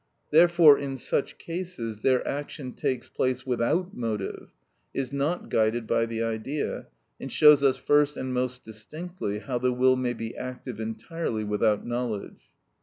Therefore in such cases their action takes place without motive, is not guided by the idea, and shows us first and most distinctly how the will may be active entirely without knowledge.